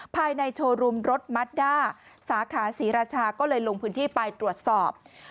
ภายในโชว์รูมรถมัดด้าสาขาศรีราชาก็เลยลงพื้นที่ไปตรวจสอบ